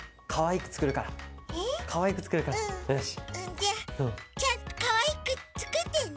じゃあちゃんとかわいくつくってね。